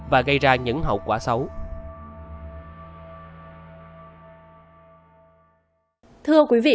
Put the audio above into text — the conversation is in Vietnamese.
và gây ra những hậu quả xấu